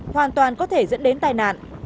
hoàn toàn có thể dẫn đến tài nạn